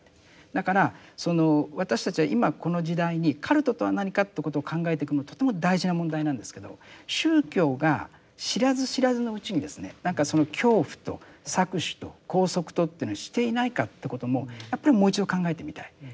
だからその私たちは今この時代にカルトとは何かということを考えていくのはとても大事な問題なんですけど宗教が知らず知らずのうちにですねなんかその恐怖と搾取と拘束とというのをしていないかってこともやっぱりもう一度考えてみたい。